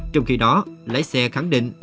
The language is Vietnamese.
trong khi đó lái xe khẳng định